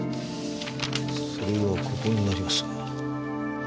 それはここになります。